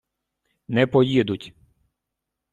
не поїдуть.